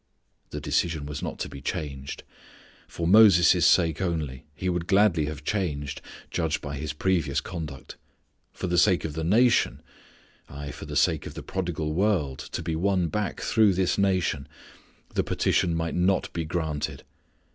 The decision was not to be changed. For Moses' sake only He would gladly have changed, judging by His previous conduct. For the sake of the nation aye, for the sake of the prodigal world to be won back through this nation, the petition might not be granted.